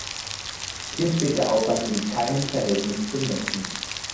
Hier steht der Aufwand in keinem Verhältnis zum Nutzen.